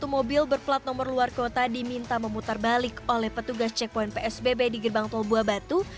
tiga puluh satu mobil berplat nomor luar kota diminta memutar balik oleh petugas cekpoin psbb di gerbang tolbuabatu